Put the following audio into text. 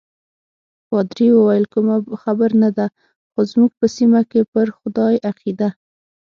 پادري وویل: کومه خبره نه ده، خو زموږ په سیمه کې پر خدای عقیده.